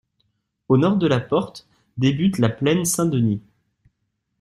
Au nord de la porte débute la plaine Saint-Denis.